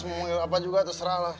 mau panggil apa juga terserahlah